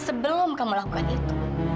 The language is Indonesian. sebelum kamu lakukan itu